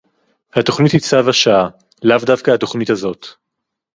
התוכנית היא צו השעה; לאו דווקא התוכנית הזאת